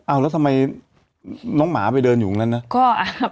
เอาแล้วทำไมน้องหมาไปเดินอยู่ตรงนั้นนะ